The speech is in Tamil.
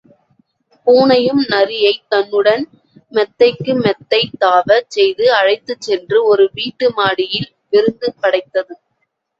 பூனையும் நரியைத் தன்னுடன் மெத்தைக்கு மெத்தை தாவச் செய்து அழைத்துச் சென்று ஒரு வீட்டு மாடியில் விருந்து படைத்தது.